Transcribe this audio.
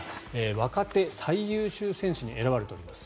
若手最優秀選手に選ばれています。